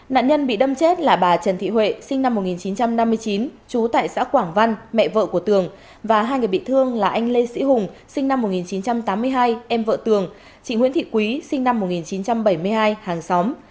nạn nhân bị đâm chết là bà trần thị huệ sinh năm một nghìn chín trăm năm mươi chín trú tại xã quảng văn mẹ vợ của tường và hai người bị thương là anh lê sĩ hùng sinh năm một nghìn chín trăm tám mươi hai em vợ tường chị nguyễn thị quý sinh năm một nghìn chín trăm bảy mươi hai hàng xóm